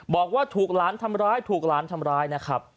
บอกว่าถูกหลานทำร้ายถูกหลานทำร้ายนะครับ